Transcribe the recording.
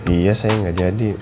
iya sayang gak jadi